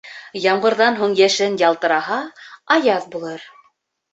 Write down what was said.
Ямғырҙан һуң йәшен ялтыраһа, аяҙ булыр.